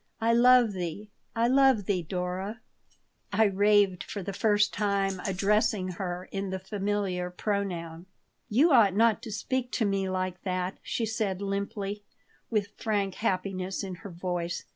"I love thee. I love thee, Dora," I raved, for the first time addressing her in the familiar pronoun "You ought not to speak to me like that," she said, limply, with frank happiness in her voice.